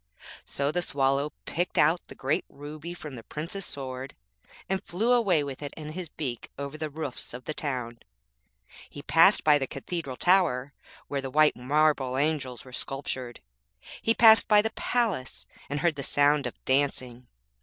So the Swallow picked out the great ruby from the Prince's sword, and flew away with it in his beak over the roofs of the town. He passed by the cathedral tower, where the white marble angels were sculptured. He passed by the palace and heard the sound of dancing.